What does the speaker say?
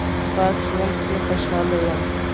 پاک ژوند کې خوشاله یم